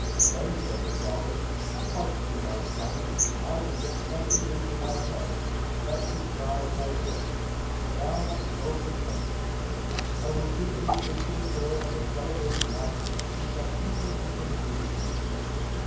Then said the father, "Hark thee, my son, I can get nothing into thy head, let me try as I will. Thou must go from hence, I will give thee into the care of a celebrated master, who shall see what he can do with thee."